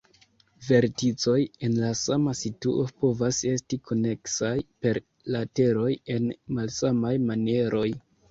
Verticoj en la sama situo povas esti koneksaj per lateroj en malsamaj manieroj.